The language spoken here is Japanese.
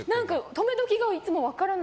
止めどきがいつも分からない。